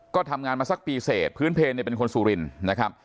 ก็ทำงานมาสักปีเสร็จพื้นเพลเนี่ยเป็นคนสุรินนะครับ